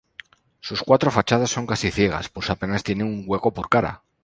Sus cuatro fachadas son casi ciegas, pues apenas tiene un hueco por cara.